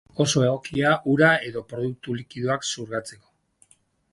Oso egokia ura edo produktu likidoak xurgatzeko.